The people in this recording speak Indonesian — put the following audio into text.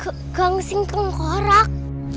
kek gansing tengkorak